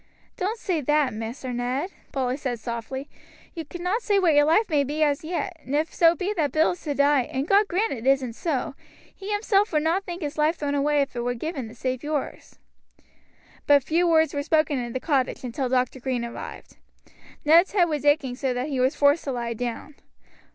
"Don't say that, Master Ned," Polly said softly; "you cannot say what your life may be as yet, and if so be that Bill is to die, and God grant it isn't so, he himself would not think his life thrown away if it were given to save yours." But few words were spoken in the cottage until Dr. Green arrived. Ned's head was aching so that he was forced to lie down.